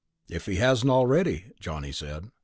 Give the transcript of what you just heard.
"If he hasn't already," Johnny said.